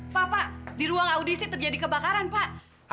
sampai jumpa di video selanjutnya